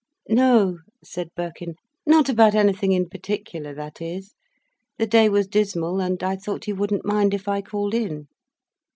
"No," said Birkin, "not about anything, in particular, that is. The day was dismal, and I thought you wouldn't mind if I called in."